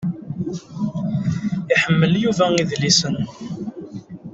Iḥemmel Yuba idlisen.